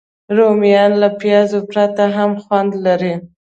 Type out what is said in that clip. رومیان له پیاز پرته هم خوند لري